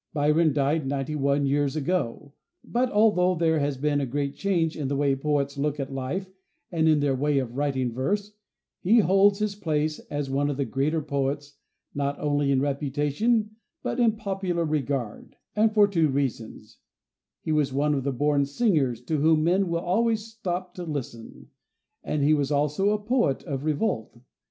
Byron died ninety one years ago; but, although there has been a great change in the way poets look at life and in their way of writing verse, he holds his place as one of the greater poets, not only in reputation, but in popular regard; and for two reasons, he was one of the born singers to whom men will always stop to listen, and he was also a poet of revolt.